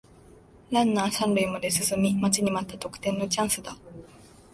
ランナー三塁まで進み待ちに待った得点のチャンスだ